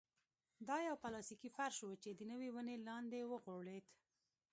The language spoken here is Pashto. دا يو پلاستيکي فرش و چې د يوې ونې لاندې وغوړېد.